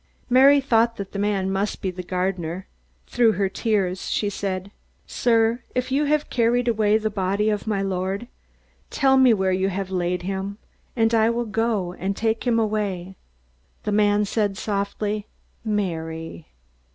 Mary thought that the man must be the gardener. Through her tears she said: "Sir, if you have carried away the body of my Lord, tell me where you have laid him, and I will go and take him away." The man said softly, "Mary!"